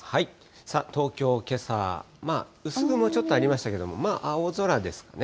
さあ、東京、まあ薄雲ちょっとありましたけれども、青空ですね。